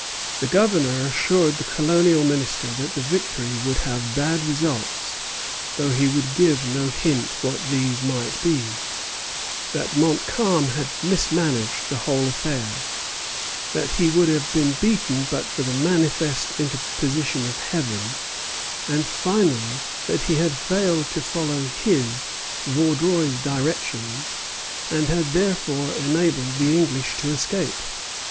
The Governor assured the Colonial Minister that the victory would have bad results, though he gives no hint what these might be; that Montcalm had mismanaged the whole affair; that he would have been beaten but for the manifest interposition of Heaven; and, finally, that he had failed to follow his (Vaudreuil's) directions, and had therefore enabled the English to escape.